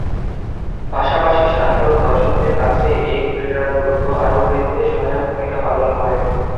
পাশাপাশি সাধারণ দর্শকদের কাছে এ ক্রীড়ার গুরুত্ব আরও বৃদ্ধিতে সহায়ক ভূমিকা পালন করেন।